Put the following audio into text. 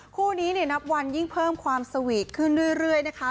คู่นี้นับวันยิ่งเพิ่มความสวีทขึ้นเรื่อยนะคะ